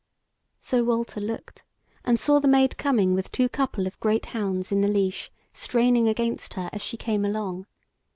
So Walter looked, and saw the Maid coming with two couple of great hounds in the leash straining against her as she came along.